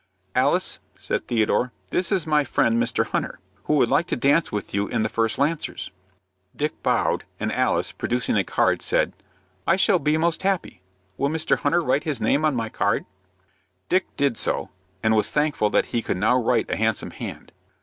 "Alice," said Theodore, "this is my friend Mr. Hunter, who would like to dance with you in the first Lancers." Dick bowed, and Alice, producing a card, said, "I shall be most happy. Will Mr. Hunter write his name on my card?" Dick did so, and was thankful that he could now write a handsome hand.